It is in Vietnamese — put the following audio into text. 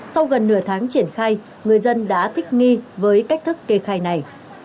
sau gần nửa tháng triển khai người dân đã thích nghi với cách thức kê khai này